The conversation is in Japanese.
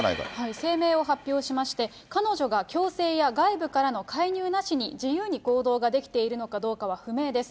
声明を発表しまして、彼女が強制や外部からの介入なしに自由に行動ができているのかどうかは不明です。